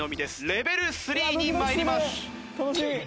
レベル３に参ります！